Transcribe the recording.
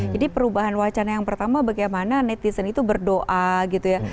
jadi perubahan wacana yang pertama bagaimana netizen itu berdoa gitu ya